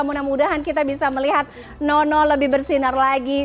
mudah mudahan kita bisa melihat nono lebih bersinar lagi